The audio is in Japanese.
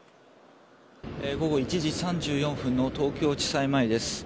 午後１時３４分の東京地裁前です。